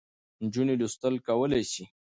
نجونې لوستل کولای سي.